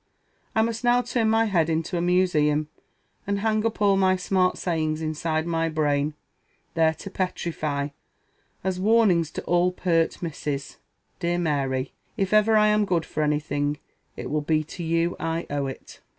I must now turn my head into a museum, and hang up all my smart sayings inside my brain, there to petrify, as warnings to all pert misses. Dear Mary! if ever I am good for anything, it will be to you I owe it!"